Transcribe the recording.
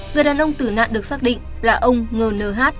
người đàn ông tử nạn được xác định là ông ngờ n h